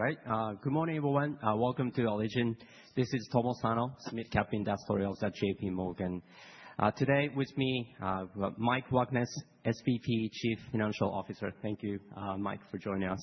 Right. Good morning, everyone. Welcome to Allegion. This is Tomo Sano, SMID-cap Industries Analyst at JPMorgan. Today with me, we've got Mike Wagnes, SVP, Chief Financial Officer. Thank you, Mike, for joining us.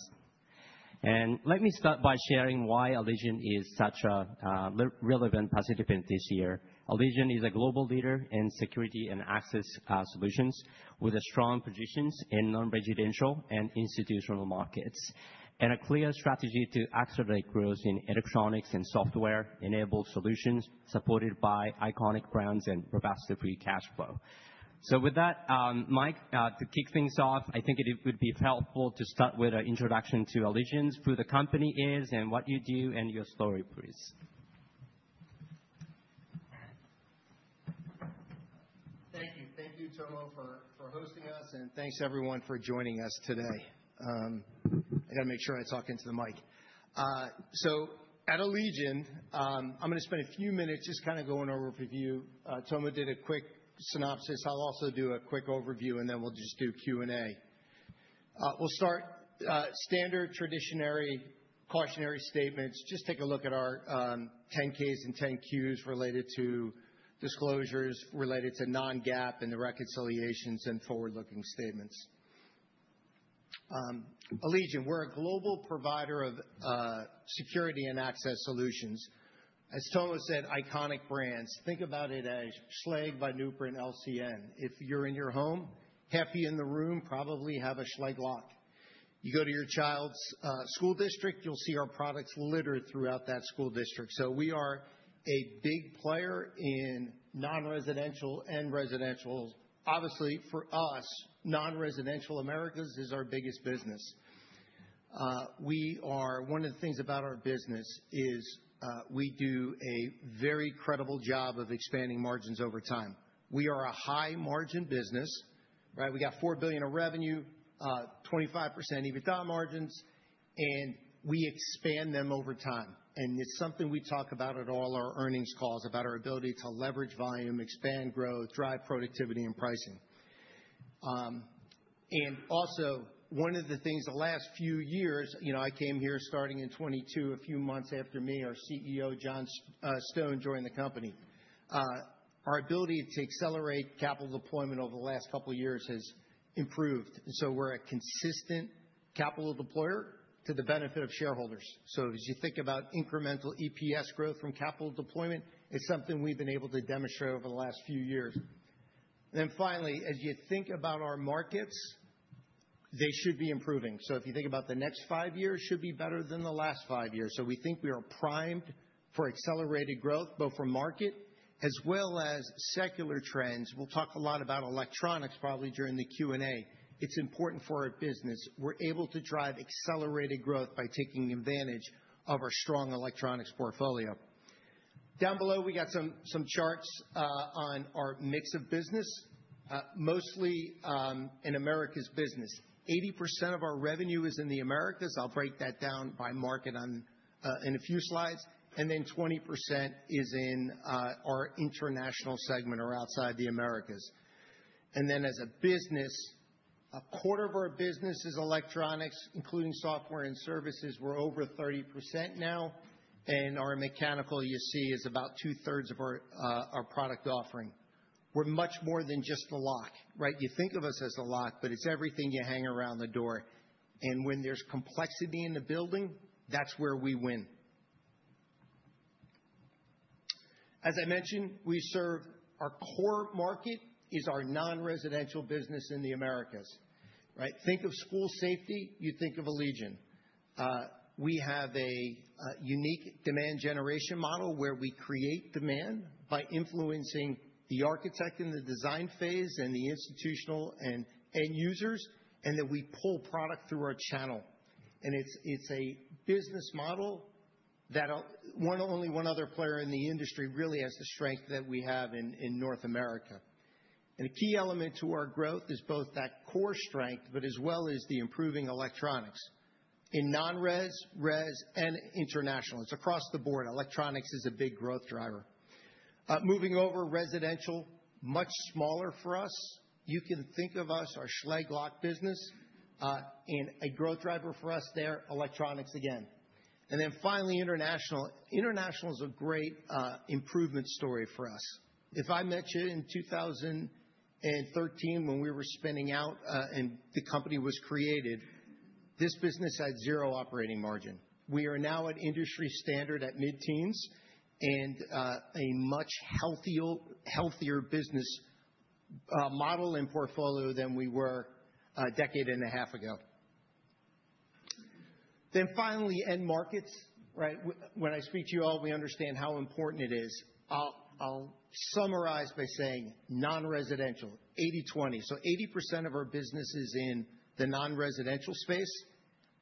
Let me start by sharing why Allegion is such a really relevant positive print this year. Allegion is a global leader in security and access solutions with strong positions in non-residential and institutional markets, and a clear strategy to accelerate growth in electronics and software-enabled solutions supported by iconic brands and robust free cash flow. With that, Mike, to kick things off, I think it would be helpful to start with an introduction to Allegion, who the company is and what you do and your story, please. Thank you. Thank you, Tomo, for hosting us, and thanks everyone for joining us today. I gotta make sure I talk into the mic. At Allegion, I'm gonna spend a few minutes just kinda going over a review. Tomo did a quick synopsis. I'll also do a quick overview, and then we'll just do Q&A. We'll start standard traditional cautionary statements. Just take a look at our 10-Ks and 10-Qs related to disclosures, related to non-GAAP and the reconciliations and forward-looking statements. Allegion, we're a global provider of security and access solutions. As Tomo said, iconic brands. Think about it as Schlage, Von Duprin, LCN. If you're in your home, happy in the room, probably have a Schlage lock. You go to your child's school district, you'll see our products littered throughout that school district. We are a big player in non-residential and residential. Obviously, for us, non-residential Americas is our biggest business. One of the things about our business is, we do a very credible job of expanding margins over time. We are a high margin business, right? We got $4 billion of revenue, 25% EBITDA margins, and we expand them over time. It's something we talk about at all our earnings calls, about our ability to leverage volume, expand growth, drive productivity and pricing. One of the things the last few years, you know, I came here starting in 2022. A few months after me, our CEO, John Stone, joined the company. Our ability to accelerate capital deployment over the last couple years has improved. We're a consistent capital deployer to the benefit of shareholders. As you think about incremental EPS growth from capital deployment, it's something we've been able to demonstrate over the last few years. Finally, as you think about our markets, they should be improving. If you think about the next five years should be better than the last five years. We think we are primed for accelerated growth, both from market as well as secular trends. We'll talk a lot about electronics probably during the Q&A. It's important for our business. We're able to drive accelerated growth by taking advantage of our strong electronics portfolio. Down below, we got some charts on our mix of business, mostly in Americas business. 80% of our revenue is in the Americas. I'll break that down by market on in a few slides. Then 20% is in our international segment or outside the Americas. As a business, a quarter of our business is electronics, including software and services. We're over 30% now. Our mechanical, you see, is about 2/3 of our product offering. We're much more than just the lock, right? You think of us as the lock, but it's everything you hang around the door. When there's complexity in the building, that's where we win. As I mentioned, we serve. Our core market is our non-residential business in the Americas, right? Think of school safety, you think of Allegion. We have a unique demand generation model where we create demand by influencing the architect in the design phase and the institutional and end users, and then we pull product through our channel. It's a business model that only one other player in the industry really has the strength that we have in North America. A key element to our growth is both that core strength, but as well as the improving electronics. In non-residential, residential, and international, it's across the board. Electronics is a big growth driver. Moving over, residential, much smaller for us. You can think of us, our Schlage lock business, and a growth driver for us there, electronics again. Then finally, international. International is a great improvement story for us. If I mentioned in 2013 when we were spinning out, and the company was created, this business had zero operating margin. We are now at industry standard at mid-teens and a much healthier business model and portfolio than we were a decade and a half ago. Finally, end markets, right? When I speak to you all, we understand how important it is. I'll summarize by saying non-residential, 80/20. Eighty percent of our business is in the non-residential space.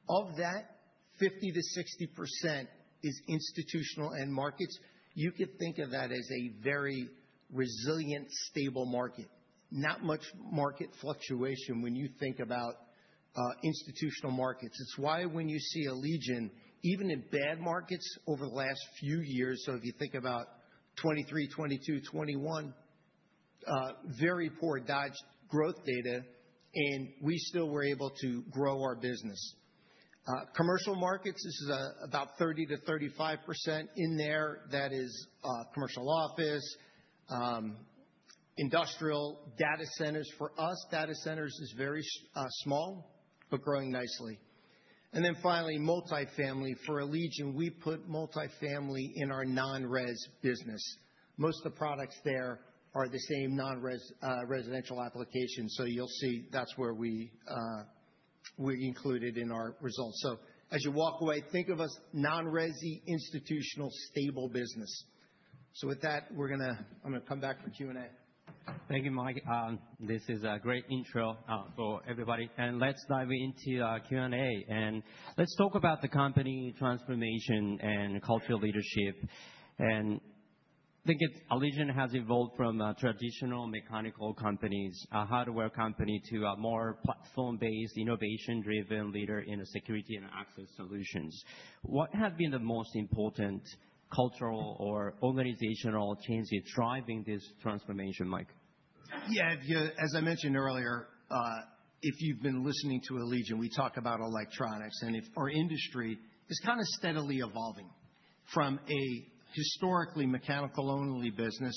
Of that, 50%-60% is institutional end markets. You could think of that as a very resilient, stable market. Not much market fluctuation when you think about institutional markets. It's why when you see Allegion, even in bad markets over the last few years, so if you think about 2023, 2022, 2021, very poor Dodge growth data, and we still were able to grow our business. Commercial markets, this is about 30%-35% in there. That is, commercial office, industrial data centers. For us, data centers is very small, but growing nicely. Finally, multifamily. For Allegion, we put multifamily in our non-res business. Most of the products there are the same nonresidential applications, so you'll see that's where we include it in our results. As you walk away, think of us non-residential, institutional, stable business. With that, we're gonna. I'm gonna come back for Q&A. Thank you, Mike. This is a great intro for everybody. Let's dive into Q&A, and let's talk about the company transformation and cultural leadership. I think it's Allegion has evolved from traditional mechanical companies, a hardware company, to a more platform-based, innovation-driven leader in the security and access solutions. What have been the most important cultural or organizational changes driving this transformation, Mike? Yeah. As I mentioned earlier, if you've been listening to Allegion, we talk about electronics. Our industry is kinda steadily evolving from a historically mechanical-only business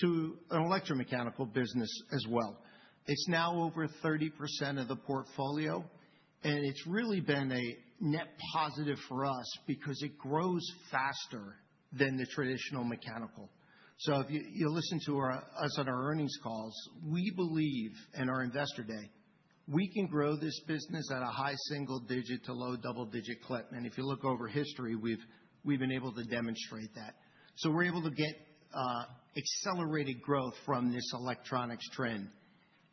to an electromechanical business as well. It's now over 30% of the portfolio, and it's really been a net positive for us because it grows faster than the traditional mechanical. If you listen to us on our earnings calls, we believe, in our Investor Day, we can grow this business at a high single digit to low double-digit clip. If you look over history, we've been able to demonstrate that. We're able to get accelerated growth from this electronics trend.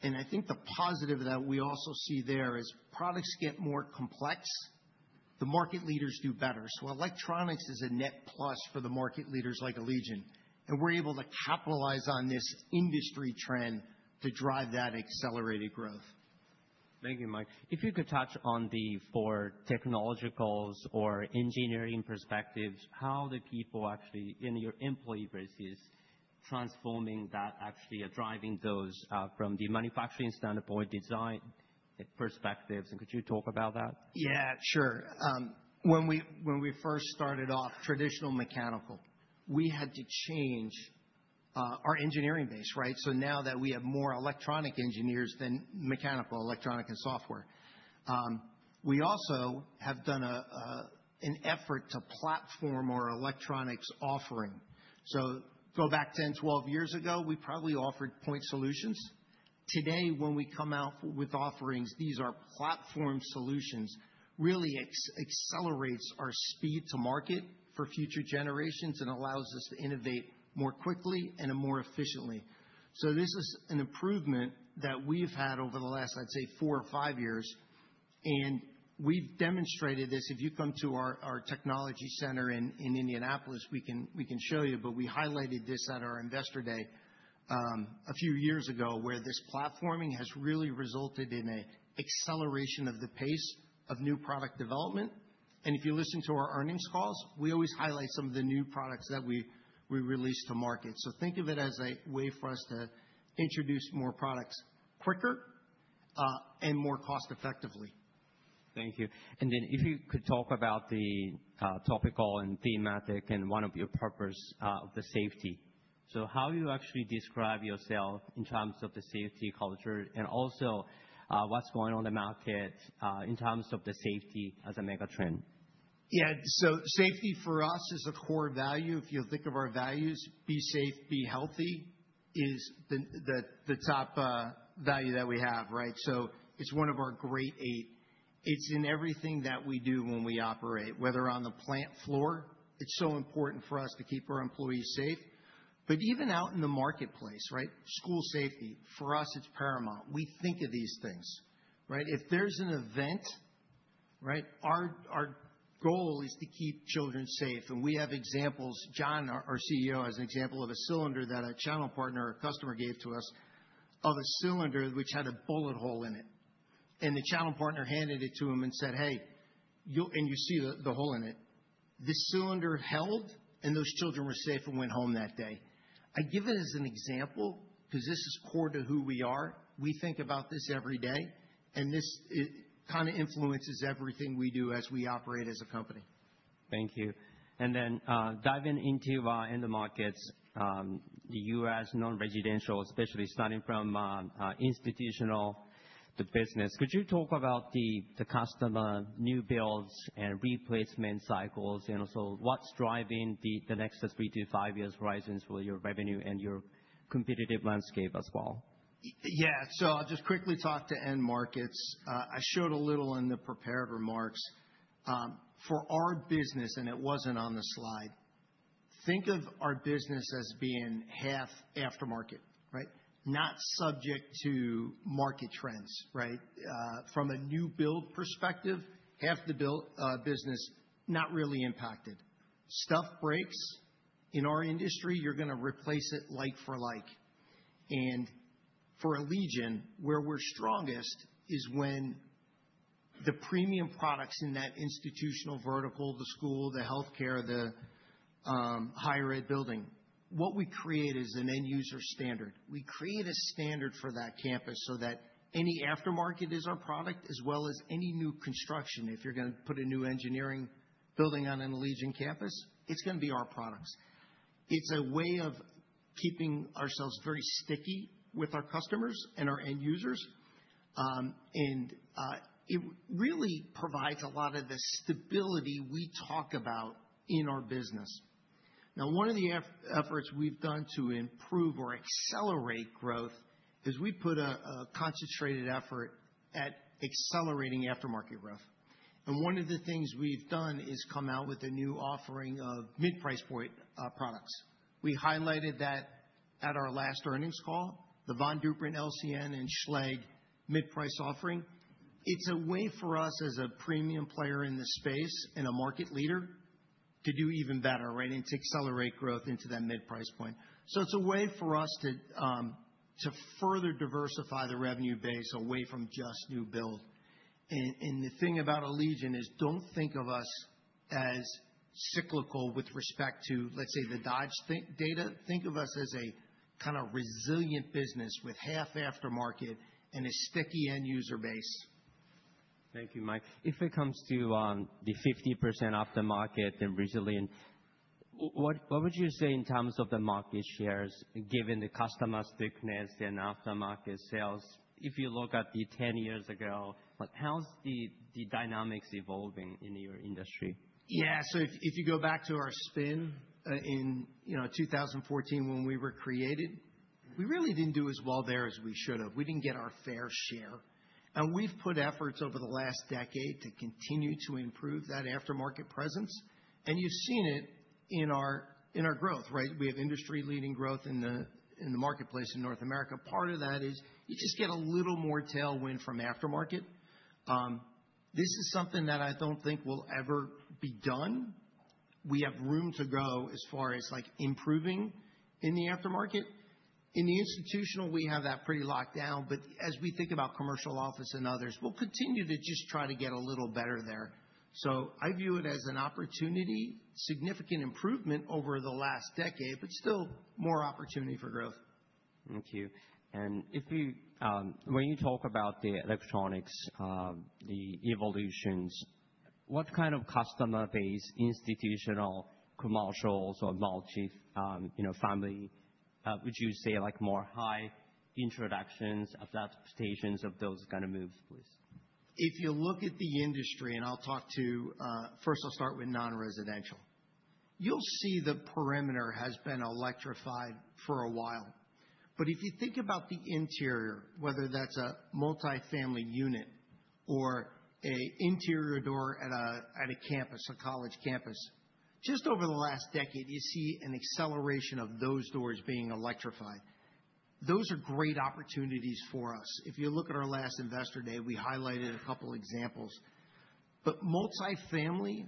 I think the positive that we also see there is products get more complex, the market leaders do better. Electronics is a net plus for the market leaders like Allegion, and we're able to capitalize on this industry trend to drive that accelerated growth. Thank you, Mike. If you could touch on the technologies or engineering perspectives, how the people actually in your employee base is transforming that actually are driving those from the manufacturing standpoint, design perspectives, and could you talk about that? Yeah. Sure. When we first started off traditional mechanical, we had to change our engineering base, right? Now that we have more electronic engineers than mechanical, electronic and software, we also have done an effort to platform our electronics offering. Go back 10, 12 years ago, we probably offered point solutions. Today, when we come out with offerings, these are platform solutions, really accelerates our speed to market for future generations and allows us to innovate more quickly and more efficiently. This is an improvement that we've had over the last, I'd say, four or five years, and we've demonstrated this. If you come to our technology center in Indianapolis, we can show you, but we highlighted this at our Investor Day a few years ago, where this platforming has really resulted in a acceleration of the pace of new product development. If you listen to our earnings calls, we always highlight some of the new products that we release to market. Think of it as a way for us to introduce more products quicker, and more cost-effectively. Thank you. If you could talk about the topical and thematic and one of your purpose, the safety. How you actually describe yourself in terms of the safety culture and also, what's going on in the market, in terms of the safety as a mega trend? Yeah. Safety for us is a core value. If you'll think of our values, be safe, be healthy is the top value that we have, right? It's one of our great eight. It's in everything that we do when we operate, whether on the plant floor. It's so important for us to keep our employees safe. Even out in the marketplace, right? School safety, for us, it's paramount. We think of these things, right? If there's an event, right, our goal is to keep children safe. We have examples. John Stone, our CEO, has an example of a cylinder that a channel partner or customer gave to us of a cylinder which had a bullet hole in it. The channel partner handed it to him and said, "Hey, you'll." You see the hole in it. This cylinder held, and those children were safe and went home that day. I give it as an example 'cause this is core to who we are. We think about this every day, and this kinda influences everything we do as we operate as a company. Thank you. Diving into our end markets, the U.S. non-residential, especially starting from institutional, the business. Could you talk about the customer new builds and replacement cycles and also what's driving the next three to five-year horizons for your revenue and your competitive landscape as well? Yeah. I'll just quickly talk to end markets. I showed a little in the prepared remarks. For our business, and it wasn't on the slide, think of our business as being half aftermarket, right? Not subject to market trends, right? From a new build perspective, half the build business, not really impacted. Stuff breaks. In our industry, you're gonna replace it like for like. For Allegion, where we're strongest is when the premium products in that institutional vertical, the school, the healthcare, the higher ed building. What we create is an end user standard. We create a standard for that campus so that any aftermarket is our product as well as any new construction. If you're gonna put a new engineering building on an Allegion campus, it's gonna be our products. It's a way of keeping ourselves very sticky with our customers and our end users. It really provides a lot of the stability we talk about in our business. Now, one of the efforts we've done to improve or accelerate growth is we put a concentrated effort at accelerating aftermarket growth. One of the things we've done is come out with a new offering of mid-price point products. We highlighted that at our last earnings call, the Von Duprin, LCN, and Schlage mid-price offering. It's a way for us as a premium player in the space and a market leader to do even better, right? And to accelerate growth into that mid-price point. It's a way for us to further diversify the revenue base away from just new build. The thing about Allegion is don't think of us as cyclical with respect to, let's say, the Dodge data. Think of us as a kind of resilient business with half aftermarket and a sticky end user base. Thank you, Mike. If it comes to the 50% aftermarket and resilient, what would you say in terms of the market shares given the customer stickiness and aftermarket sales? If you look at the 10 years ago, like, how's the dynamics evolving in your industry? Yeah. So if you go back to our spin, you know, in 2014 when we were created, we really didn't do as well there as we should have. We didn't get our fair share. We've put efforts over the last decade to continue to improve that aftermarket presence. You've seen it in our growth, right? We have industry-leading growth in the marketplace in North America. Part of that is you just get a little more tailwind from aftermarket. This is something that I don't think will ever be done. We have room to grow as far as, like, improving in the aftermarket. In the institutional, we have that pretty locked down, but as we think about commercial office and others, we'll continue to just try to get a little better there. I view it as an opportunity, significant improvement over the last decade, but still more opportunity for growth. Thank you. If you, when you talk about the electronics, the evolutions, what kind of customer base, institutional, commercial or multi-family, would you say, like more high introductions, adaptations of those kinda moves, please? If you look at the industry. First, I'll start with non-residential. You'll see the perimeter has been electrified for a while. If you think about the interior, whether that's a multifamily unit or an interior door at a campus, a college campus. Just over the last decade, you see an acceleration of those doors being electrified. Those are great opportunities for us. If you look at our last Investor Day, we highlighted a couple examples. Multifamily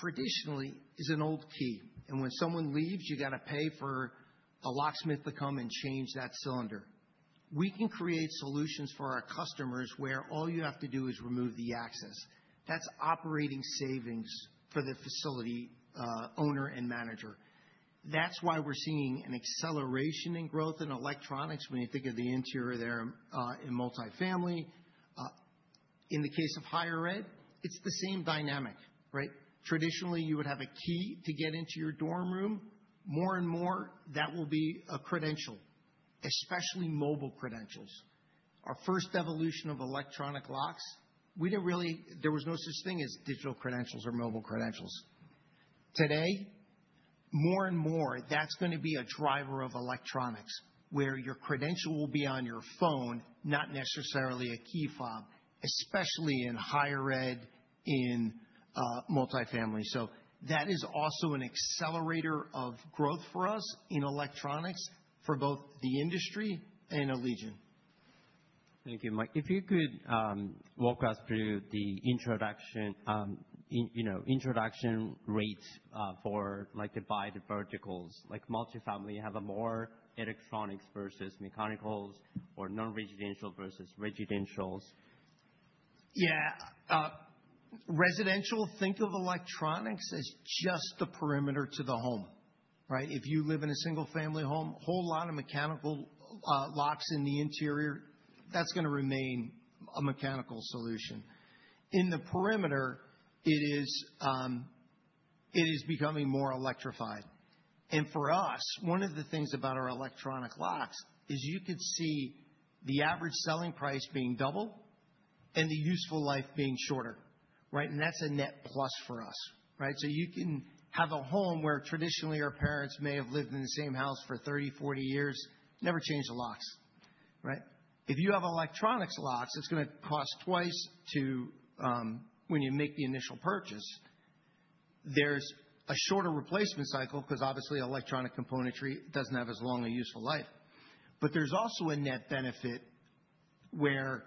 traditionally is an old key, and when someone leaves, you gotta pay for a locksmith to come and change that cylinder. We can create solutions for our customers where all you have to do is remove the access. That's operating savings for the facility owner and manager. That's why we're seeing an acceleration in growth in electronics when you think of the interior there, in multifamily. In the case of higher ed, it's the same dynamic, right? Traditionally, you would have a key to get into your dorm room. More and more, that will be a credential, especially mobile credentials. Our first evolution of electronic locks. There was no such thing as digital credentials or mobile credentials. Today, more and more, that's gonna be a driver of electronics, where your credential will be on your phone, not necessarily a key fob, especially in higher ed, in multifamily. That is also an accelerator of growth for us in electronics for both the industry and Allegion. Thank you, Mike. If you could walk us through the adoption, you know, adoption rates for like by the verticals. Like multifamily have a more electronics versus mechanicals or non-residential versus residentials. Yeah. Residential, think of electronics as just the perimeter to the home, right? If you live in a single-family home, whole lot of mechanical locks in the interior, that's gonna remain a mechanical solution. In the perimeter, it is becoming more electrified. For us, one of the things about our electronic locks is you could see the average selling price being double and the useful life being shorter, right? That's a net plus for us, right? You can have a home where traditionally our parents may have lived in the same house for 30, 40 years, never changed the locks, right? If you have electronic locks, it's gonna cost twice to when you make the initial purchase. There's a shorter replacement cycle 'cause obviously electronic componentry doesn't have as long a useful life. There's also a net benefit where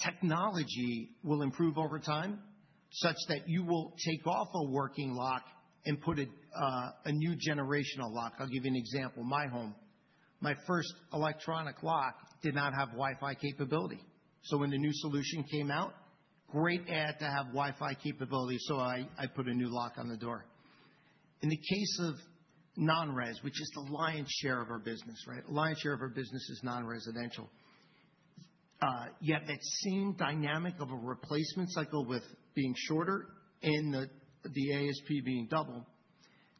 technology will improve over time, such that you will take off a working lock and put on a new generational lock. I'll give you an example. My first electronic lock did not have Wi-Fi capability, so when the new solution came out, great advantage to have Wi-Fi capability, so I put a new lock on the door. In the case of non-res, which is the lion's share of our business, right? The lion's share of our business is non-residential. Yet that same dynamic of a replacement cycle with being shorter and the ASP being double,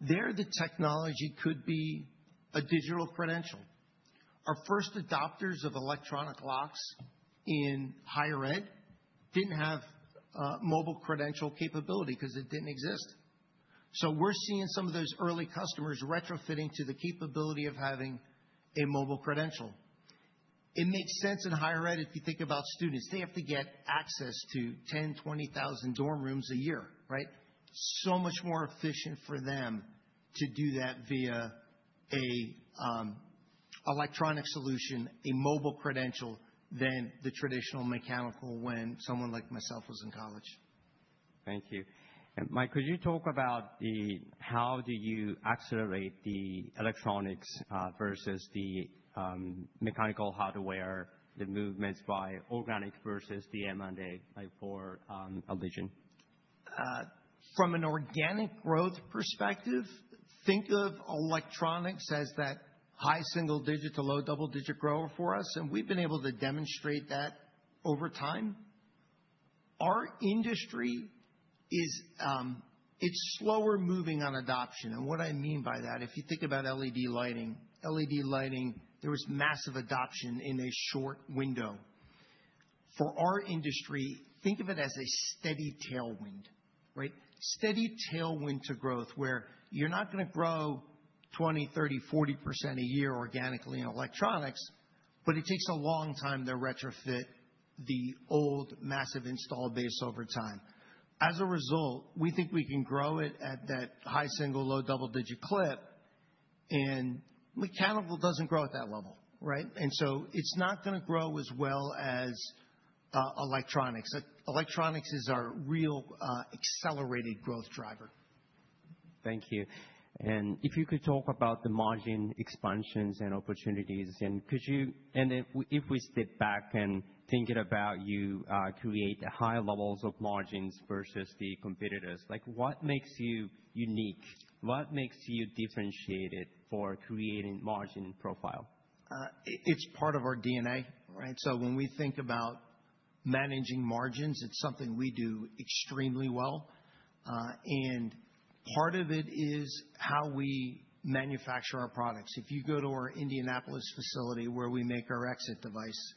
there the technology could be a digital credential. Our first adopters of electronic locks in higher ed didn't have mobile credential capability 'cause it didn't exist. We're seeing some of those early customers retrofitting to the capability of having a mobile credential. It makes sense in higher ed if you think about students. They have to get access to 10, 20,000 dorm rooms a year, right? Much more efficient for them to do that via a electronic solution, a mobile credential than the traditional mechanical when someone like myself was in college. Thank you. Mike, could you talk about how do you accelerate the electronics versus the mechanical hardware, the movements by organic versus the M&A, like for Allegion? From an organic growth perspective, think of electronics as that high single-digit to low double-digit grower for us, and we've been able to demonstrate that over time. Our industry is, it's slower moving on adoption. What I mean by that, if you think about LED lighting. LED lighting, there was massive adoption in a short window. For our industry, think of it as a steady tailwind, right? Steady tailwind to growth where you're not gonna grow 20%, 30%, 40% a year organically in electronics, but it takes a long time to retrofit the old massive installed base over time. As a result, we think we can grow it at that high single, low double-digit clip, and mechanical doesn't grow at that level, right? It's not gonna grow as well as electronics. Electronics is our real accelerated growth driver. Thank you. If you could talk about the margin expansions and opportunities. If we step back and thinking about how you create high levels of margins versus the competitors, like what makes you unique? What makes you differentiated for creating margin profile? It's part of our DNA, right? When we think about managing margins, it's something we do extremely well. Part of it is how we manufacture our products. If you go to our Indianapolis facility where we make our exit device,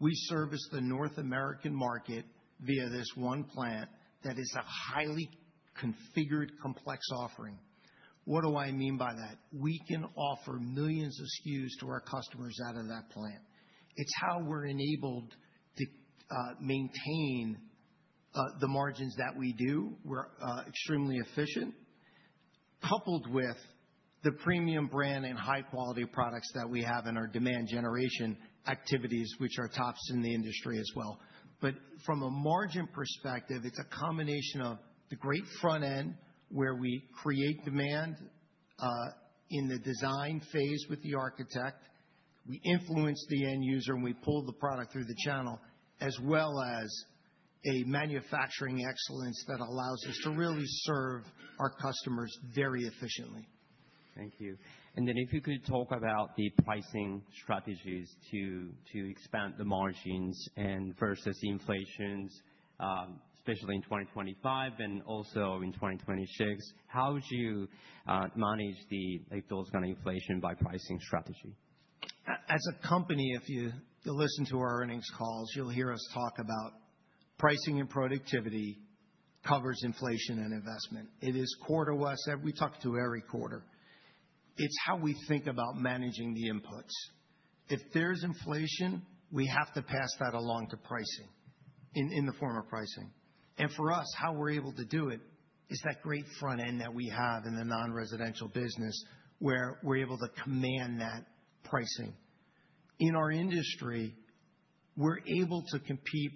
we service the North American market via this one plant that is a highly configured, complex offering. What do I mean by that? We can offer millions of SKUs to our customers out of that plant. It's how we're enabled to maintain the margins that we do. We're extremely efficient, coupled with the premium brand and high-quality products that we have in our demand generation activities which are tops in the industry as well. From a margin perspective, it's a combination of the great front end, where we create demand in the design phase with the architect. We influence the end user, and we pull the product through the channel, as well as a manufacturing excellence that allows us to really serve our customers very efficiently. Thank you. If you could talk about the pricing strategies to expand the margins and versus inflation, especially in 2025 and also in 2026. How would you manage the like those kind of inflation by pricing strategy? As a company, if you listen to our earnings calls, you'll hear us talk about pricing and productivity covers inflation and investment. It is core to us. We talk to every quarter. It's how we think about managing the inputs. If there's inflation, we have to pass that along to pricing, in the form of pricing. For us, how we're able to do it is that great front end that we have in the non-residential business where we're able to command that pricing. In our industry, we're able to compete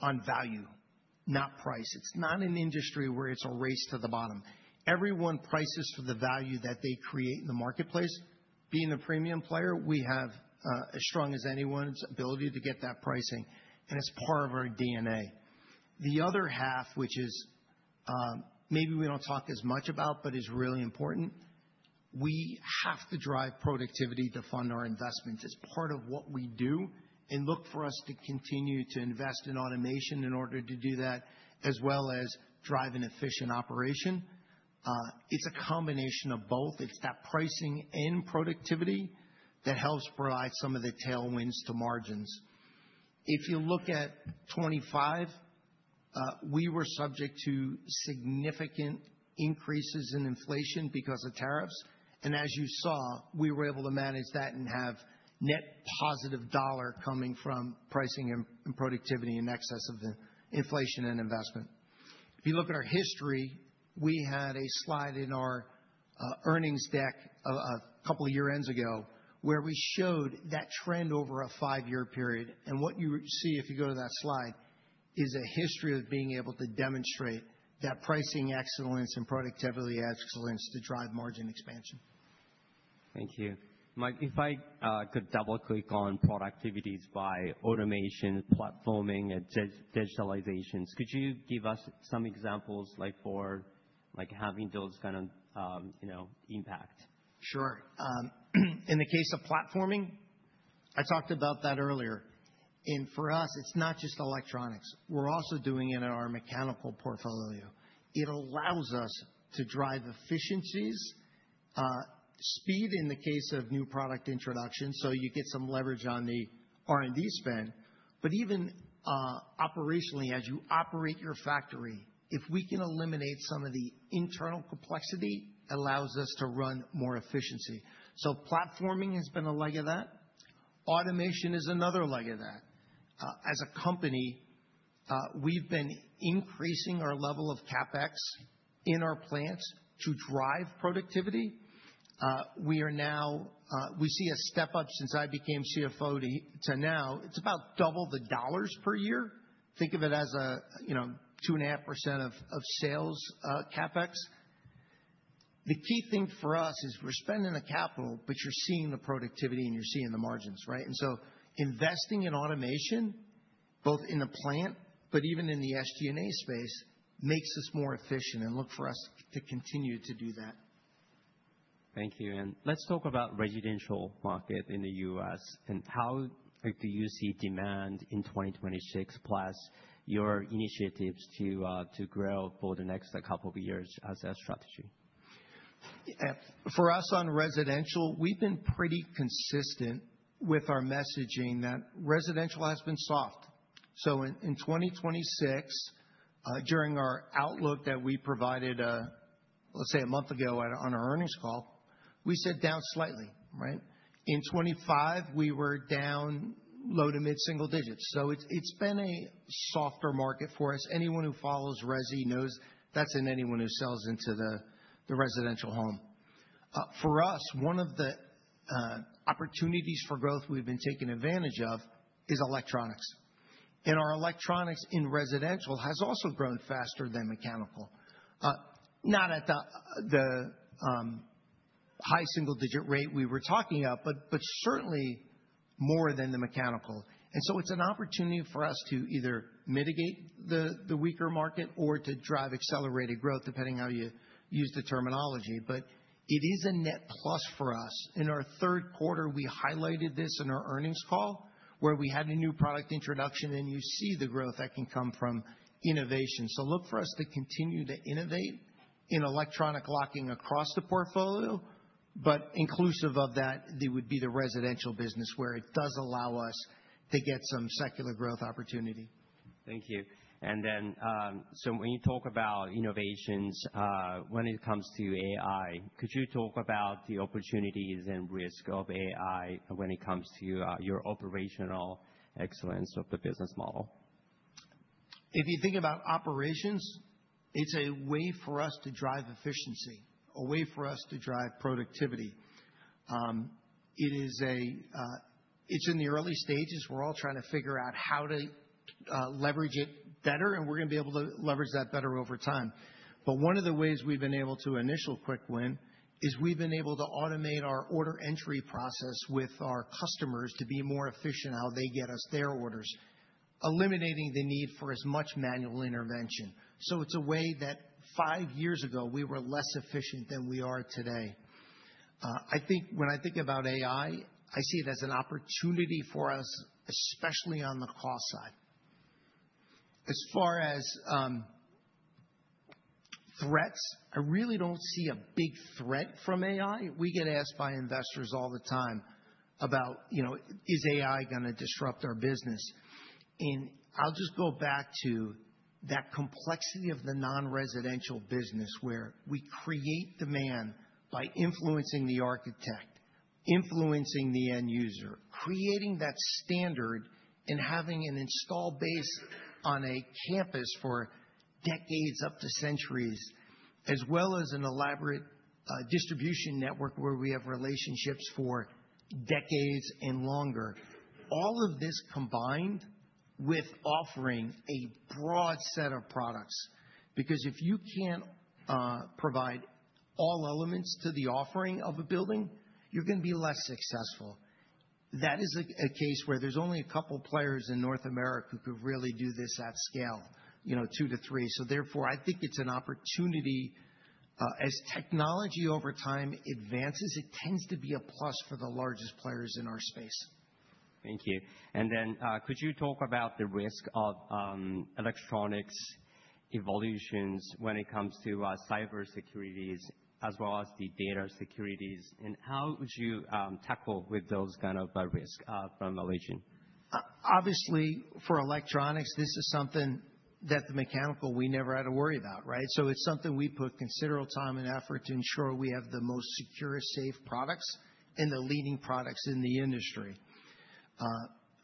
on value, not price. It's not an industry where it's a race to the bottom. Everyone prices for the value that they create in the marketplace. Being a premium player, we have as strong as anyone's ability to get that pricing, and it's part of our DNA. The other half, which is, maybe we don't talk as much about but is really important, we have to drive productivity to fund our investments. It's part of what we do and look for us to continue to invest in automation in order to do that, as well as drive an efficient operation. It's a combination of both. It's that pricing and productivity that helps provide some of the tailwinds to margins. If you look at 25, we were subject to significant increases in inflation because of tariffs. As you saw, we were able to manage that and have net positive dollar coming from pricing and productivity in excess of the inflation and investment. If you look at our history, we had a slide in our earnings deck a couple year-ends ago, where we showed that trend over a five-year period. What you see if you go to that slide is a history of being able to demonstrate that pricing excellence and productivity excellence to drive margin expansion. Thank you. Mike, if I could double-click on productivities by automation, platforming, and digitalizations, could you give us some examples, like for having those kind of, you know, impact? Sure. In the case of platforming, I talked about that earlier. For us, it's not just electronics. We're also doing it in our mechanical portfolio. It allows us to drive efficiencies, speed in the case of new product introductions, so you get some leverage on the R&D spend. Even operationally, as you operate your factory, if we can eliminate some of the internal complexity, allows us to run more efficiency. Platforming has been a leg of that. Automation is another leg of that. As a company, we've been increasing our level of CapEx in our plants to drive productivity. We see a step up since I became CFO to now. It's about double the dollars per year. Think of it as a, you know, 2.5% of sales CapEx. The key thing for us is we're spending the capital, but you're seeing the productivity and you're seeing the margins, right? Investing in automation, both in the plant, but even in the SG&A space, makes us more efficient, and look for us to continue to do that. Thank you. Let's talk about residential market in the U.S. and how, like, do you see demand in 2026 plus your initiatives to grow for the next couple of years as a strategy. For us on residential, we've been pretty consistent with our messaging that residential has been soft. In 2026, during our outlook that we provided, let's say a month ago on our earnings call, we said down slightly, right? In 2025, we were down low- to mid-single digits. It's been a softer market for us. Anyone who follows resi knows that's the case with anyone who sells into the residential home. For us, one of the opportunities for growth we've been taking advantage of is electronics. Our electronics in residential has also grown faster than mechanical, not at the high single-digit rate we were talking about, but certainly more than the mechanical. It's an opportunity for us to either mitigate the weaker market or to drive accelerated growth, depending on how you use the terminology. It is a net plus for us. In our third quarter, we highlighted this in our earnings call, where we had a new product introduction, and you see the growth that can come from innovation. Look for us to continue to innovate in electronic locking across the portfolio, but inclusive of that, it would be the residential business where it does allow us to get some secular growth opportunity. Thank you. When you talk about innovations, when it comes to AI, could you talk about the opportunities and risk of AI when it comes to your operational excellence of the business model? If you think about operations, it's a way for us to drive efficiency, a way for us to drive productivity. It's in the early stages. We're all trying to figure out how to leverage it better, and we're gonna be able to leverage that better over time. One of the ways we've been able to initial quick win is we've been able to automate our order entry process with our customers to be more efficient how they get us their orders, eliminating the need for as much manual intervention. It's a way that five years ago we were less efficient than we are today. I think about AI, I see it as an opportunity for us, especially on the cost side. As far as threats, I really don't see a big threat from AI. We get asked by investors all the time about, you know, is AI gonna disrupt our business? I'll just go back to that complexity of the non-residential business where we create demand by influencing the architect, influencing the end user, creating that standard and having an install base on a campus for decades up to centuries, as well as an elaborate distribution network where we have relationships for decades and longer. All of this combined with offering a broad set of products. Because if you can't provide all elements to the offering of a building, you're gonna be less successful. That is a case where there's only a couple players in North America who could really do this at scale. You know, two to three. Therefore, I think it's an opportunity. As technology over time advances, it tends to be a plus for the largest players in our space. Thank you. Could you talk about the risk of electronic solutions when it comes to cybersecurity as well as data security, and how would you tackle with those kind of risk from Allegion? Obviously, for electronics, this is something that the mechanical we never had to worry about, right? It's something we put considerable time and effort to ensure we have the most secure, safe products and the leading products in the industry.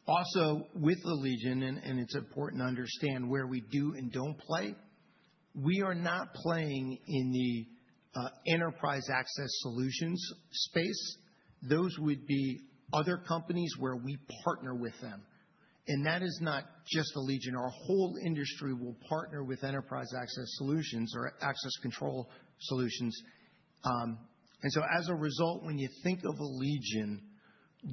Also with Allegion, it's important to understand where we do and don't play. We are not playing in the enterprise access solutions space. Those would be other companies where we partner with them. That is not just Allegion. Our whole industry will partner with enterprise access solutions or access control solutions. As a result, when you think of Allegion,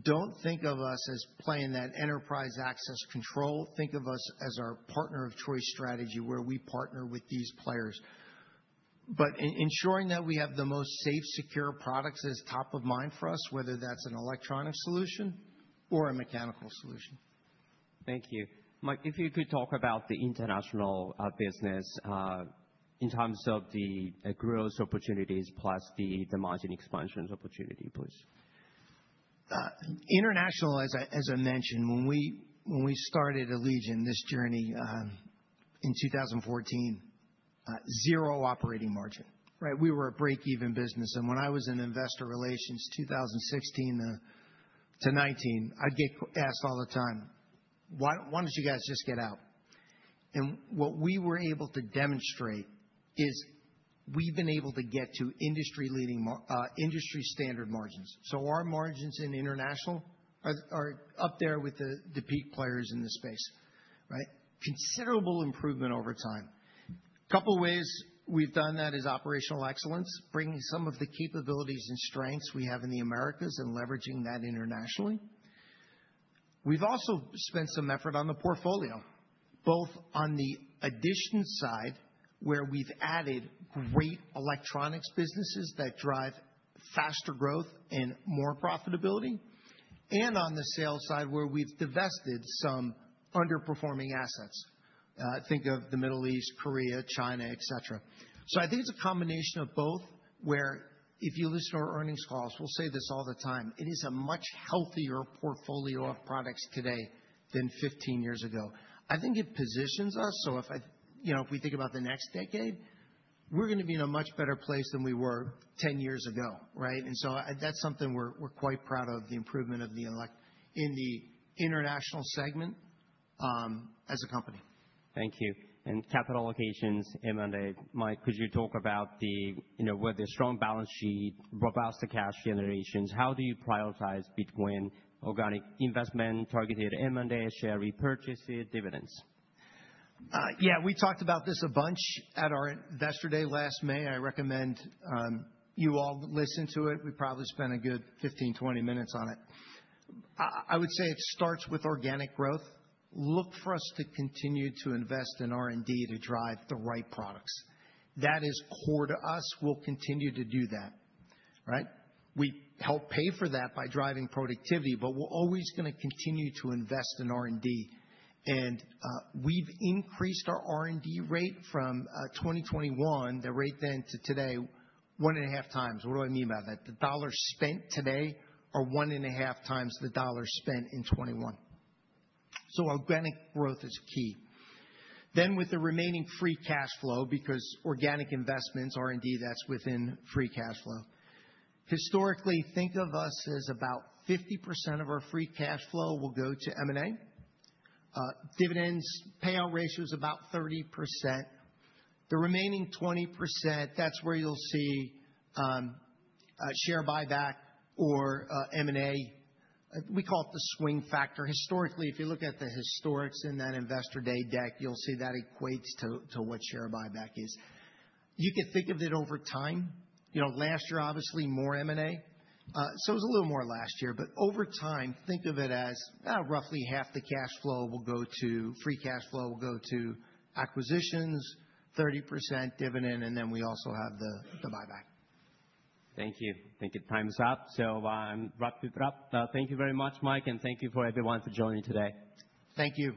don't think of us as playing that enterprise access control. Think of us as our partner of choice strategy, where we partner with these players. Ensuring that we have the most safe, secure products is top of mind for us, whether that's an electronic solution or a mechanical solution. Thank you. Mike, if you could talk about the international business in terms of the growth opportunities plus the margin expansion opportunity, please. International, as I mentioned, when we started Allegion, this journey, in 2014, 0% operating margin, right? We were a break-even business. When I was in investor relations, 2016 to 2019, I'd get asked all the time, "Why don't you guys just get out?" What we were able to demonstrate is we've been able to get to industry-standard margins. Our margins in international are up there with the peak players in the space, right? Considerable improvement over time. Couple ways we've done that is operational excellence, bringing some of the capabilities and strengths we have in the Americas and leveraging that internationally. We've also spent some effort on the portfolio, both on the addition side, where we've added great electronics businesses that drive faster growth and more profitability, and on the sales side, where we've divested some underperforming assets. Think of the Middle East, Korea, China, et cetera. I think it's a combination of both, where if you listen to our earnings calls, we'll say this all the time, it is a much healthier portfolio of products today than fifteen years ago. I think it positions us, so if I, you know, if we think about the next decade, we're gonna be in a much better place than we were ten years ago, right? That's something we're quite proud of, the improvement in the international segment, as a company. Thank you. Capital allocations, M&A, Mike, could you talk about the, you know, with a strong balance sheet, robust cash generation, how do you prioritize between organic investment, targeted M&A, share repurchases, dividends? Yeah, we talked about this a bunch at our Investor Day last May. I recommend you all listen to it. We probably spent a good 15-20 minutes on it. I would say it starts with organic growth. Look for us to continue to invest in R&D to drive the right products. That is core to us. We'll continue to do that, right? We help pay for that by driving productivity, but we're always gonna continue to invest in R&D. We've increased our R&D rate from 2021, the rate then to today, 1.5x. What do I mean by that? The dollars spent today are 1.5x the dollars spent in 2021. Organic growth is key. With the remaining free cash flow, because organic investments, R&D, that's within free cash flow. Historically, think of us as about 50% of our free cash flow will go to M&A. Dividends, payout ratio is about 30%. The remaining 20%, that's where you'll see a share buyback or M&A. We call it the swing factor. Historically, if you look at the historics in that Investor Day deck, you'll see that equates to what share buyback is. You can think of it over time. You know, last year, obviously more M&A. It was a little more last year. But over time, think of it as roughly half the free cash flow will go to acquisitions, 30% dividend, and then we also have the buyback. Thank you. I think your time is up. I'll wrap it up. Thank you very much, Mike, and thank you, everyone, for joining today. Thank you.